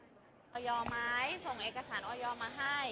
ออยไหมส่งเอกสารออยมาให้